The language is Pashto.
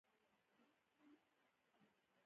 نو کوم ډاکټران چې تاسو ته وائي جوس څښئ